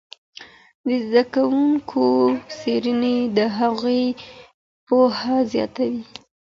د زده کوونکو څېړني د هغوی پوهه زیاتوي.